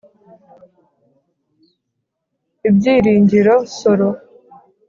ibyiringiro solo